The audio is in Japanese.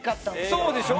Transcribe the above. そうでしょ？